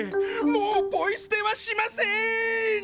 もうポイ捨てはしません！